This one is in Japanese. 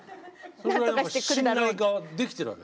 それぐらい信頼ができてるわけだ。